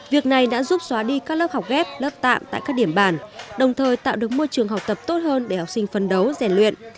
việc này đã giúp xóa đi các lớp học ghép lớp tạm tại các điểm bản đồng thời tạo được môi trường học tập tốt hơn để học sinh phân đấu rèn luyện